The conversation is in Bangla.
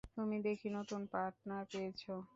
তুমি দেখি নতুন পার্টনার পেয়েছ।